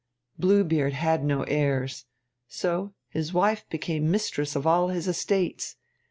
Blue Beard had no heirs, and so his wife became mistress of all his estates.